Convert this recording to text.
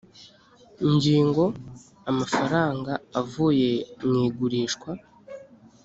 ngingo amafaranga avuye mu igurishwa